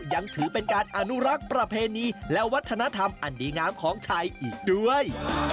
ยังถือเป็นการอนุรักษ์ประเพณีและวัฒนธรรมอันดีงามของไทยอีกด้วย